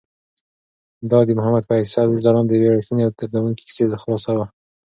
دا د محمد فیصل ځلاند د یوې رښتونې او دردونکې کیسې خلاصه وه.